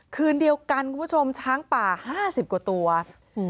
คืนเดียวกันคุณผู้ชมช้างป่าห้าสิบกว่าตัวอืม